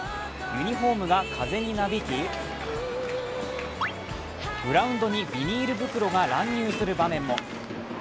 ユニフォームが風になびきグラウンドにビニール袋が乱入する場面も。